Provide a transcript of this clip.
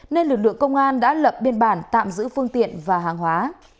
nên lực lượng công an đã lập biên bản tạm giữ phương tiện và hàng hóa